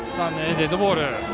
デッドボール。